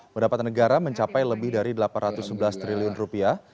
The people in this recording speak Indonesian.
pendapatan negara mencapai lebih dari delapan ratus sebelas triliun rupiah